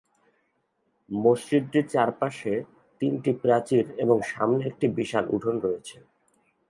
মসজিদটির চারপাশে তিনটি প্রাচীর এবং সামনে একটি বিশাল উঠান রয়েছে।